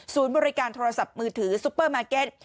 บริการโทรศัพท์มือถือซุปเปอร์มาร์เก็ต